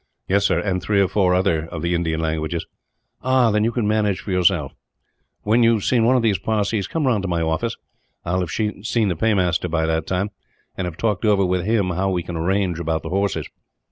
"Yes, sir; and three or four other of the Indian languages." "Ah! Then you can manage for yourself. "When you have seen one of these Parsees, come round to my office. I shall have seen the paymaster by that time, and have talked over with him how we can arrange about the horses.